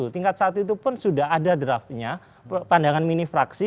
tingkat satu itu pun sudah ada draftnya pandangan mini fraksi